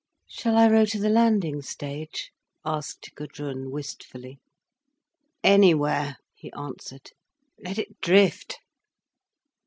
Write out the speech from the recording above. "Shall I row to the landing stage?" asked Gudrun wistfully. "Anywhere," he answered. "Let it drift."